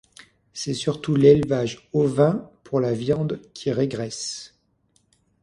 C'est surtout l'élevage ovin pour la viande qui régresse.